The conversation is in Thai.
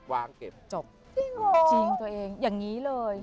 วางเก็บจบจริงเหรอจริงตัวเองอย่างนี้เลย